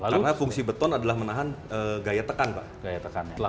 karena fungsi beton adalah menahan gaya tekan pak